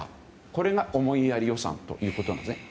これが思いやり予算ということなんです。